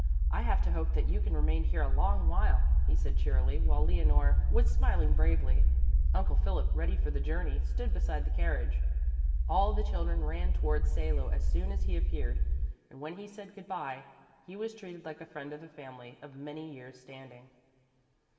I have to hope that you can remain here a long while," he said cheerily, while Leonore was smiling bravely. Uncle Philip, ready for the journey, stood beside the carriage. All the children ran towards Salo as soon as he appeared, and when he said good bye, he was treated like a friend of the family of many years' standing.